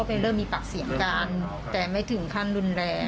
เริ่มมีปากเสียงกันแต่ไม่ถึงขั้นรุนแรง